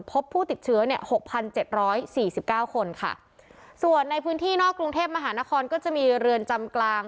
พบผู้ติดเชื้อ๖๗๔๙คนค่ะส่วนในพื้นที่นอกกรุงเทพฯมหานครก็จะมีเรือนจำกลาง